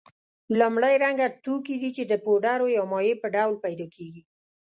لومړی رنګه توکي دي چې د پوډرو یا مایع په ډول پیدا کیږي.